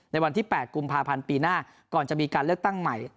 วันที่๘กุมภาพันธ์ปีหน้าก่อนจะมีการเลือกตั้งใหม่